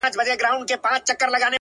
o خو ستا به زه اوس هيڅ په ياد كي نه يم،